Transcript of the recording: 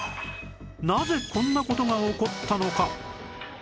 なぜこんな事が起こったのか？